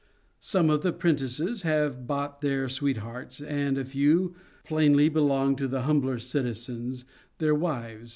Some of the prentices have brought their sweethearts, and a few, plainly belonging to the humbler citizens, their wives.